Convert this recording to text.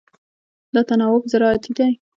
دا تناوب زراعتي دی.